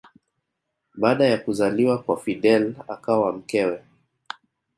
Baada ya kuzaliwa kwa Fidel akawa mkewe